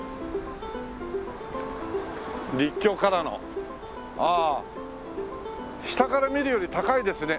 陸橋からのああ下から見るより高いですね。